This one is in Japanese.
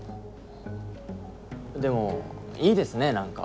でもいいですね何か。